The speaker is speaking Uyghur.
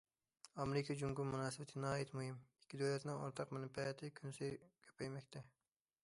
ئامېرىكا جۇڭگو مۇناسىۋىتى ناھايىتى مۇھىم، ئىككى دۆلەتنىڭ ئورتاق مەنپەئەتى كۈنسېرى كۆپەيمەكتە.